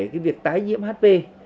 cái việc tái nhiễm hp